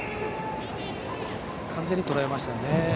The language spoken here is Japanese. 完全にとらえましたね。